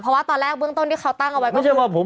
เพราะว่าตอนแรกเบื้องต้นที่เค้าตั้งเอาไว้ก็คือ๑ธันวาคม